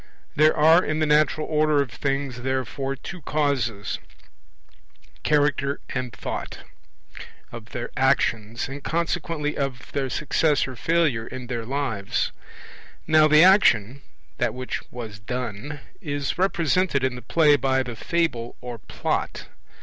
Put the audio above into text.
There are in the natural order of things, therefore, two causes, Character and Thought, of their actions, and consequently of their success or failure in their lives. Now the action (that which was done) is represented in the play by the Fable or Plot.